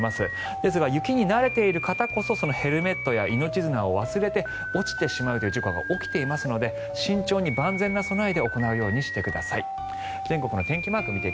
ですが、雪に慣れている方こそヘルメットや命綱を忘れて落ちてしまうという事故が起きていますので慎重に万全な備えで行うようにしてください。